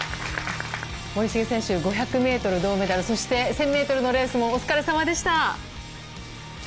森重選手、５００ｍ銅メダルそして１０００ｍのレースもお疲れさまでした。